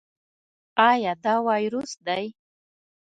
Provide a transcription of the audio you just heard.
ایا دا وایروس دی؟